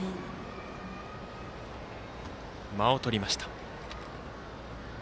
間をとりました。